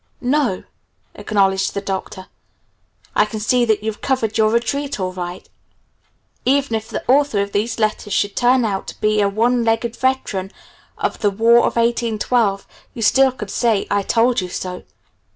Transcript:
"N o," acknowledged the Doctor. "I can see that you've covered your retreat all right. Even if the author of these letters should turn out to be a one legged veteran of the War of 1812, you still could say, 'I told you so'.